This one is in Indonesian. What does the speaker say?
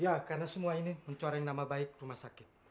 ya karena semua ini mencoreng nama baik rumah sakit